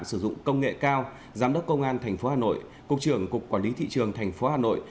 sử dụng công nghệ cao giám đốc công an tp hà nội cục trưởng cục quản lý thị trường tp hà nội